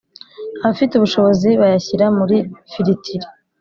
abafite ubushobozi bayashyira muri firitiri